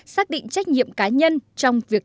xác định trách nhiệm cá nhân